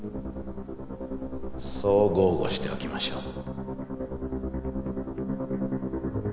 そう豪語しておきましょう。